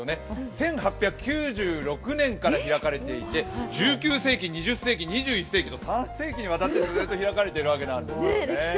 １８９６年から開かれていて、１９世紀、２０世紀、２１世紀と３世紀にわたってずっと開かれてるわけですね。